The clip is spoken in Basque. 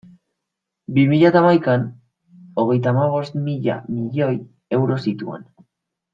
Bi mila eta hamaikan, hogeita hamabost mila milioi euro zituen.